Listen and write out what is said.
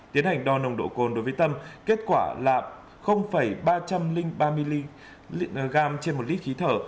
tiến hành đo nồng độ cồn đối với tâm kết quả là ba trăm linh ba mg trên một lít khí thở